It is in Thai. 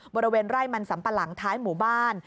บริเวณไร่มันสัมปะหลังท้ายหมู่บ้าน